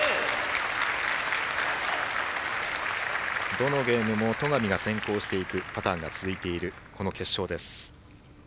どのゲームも戸上が先行していくパターンが続いている、この決勝です。